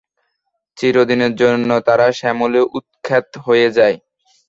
চিরদিনের জন্যে তারা সমূলে উৎখাত হয়ে যায়।